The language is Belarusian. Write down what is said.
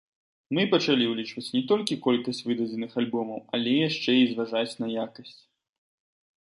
Мы пачалі ўлічваць не толькі колькасць выдадзеных альбомаў, але яшчэ і зважаць на якасць.